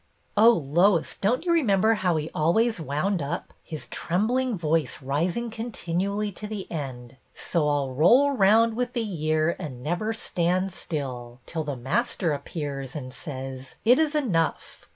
" Oh, Lois, don't you remember how he 262 BETTY BAIRD always wound up, his trembling voice rising continually to the end, ' So I 'll roll round with the year and never stand still, 'til the Master appears and says, " It is enough.